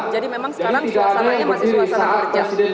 jadi memang sekarang suasananya masih suasana kerja